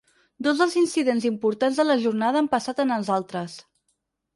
Dos dels incidents importants de la jornada han passat en els altres.